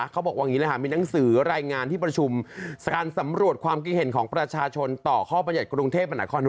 เขาบอกอย่างนี้เลยค่ะมีหนังสือรายงานที่ประชุมการสำรวจความคิดเห็นของประชาชนต่อข้อบรรยัติกรุงเทพมหานคร